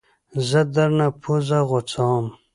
زه درنه پوزه غوڅوم